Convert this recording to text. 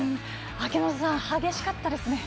秋元さん激しかったですね。